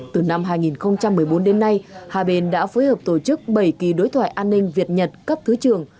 từ năm hai nghìn một mươi bốn đến nay hà bình đã phối hợp tổ chức bảy kỳ đối thoại an ninh việt nhật cấp thứ trường